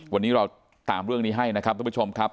วันนี้เราตามเรื่องนี้ให้นะครับทุกผู้ชมครับ